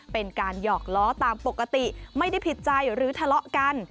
เป็นการหยอกล้อตามปกติไม่ได้ผิดใจหรือทะเลาะกัน